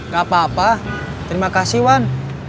gak apa apa terima kasih wan